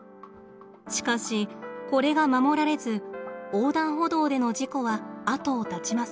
しかしこれが守られず横断歩道での事故は後を絶ちません。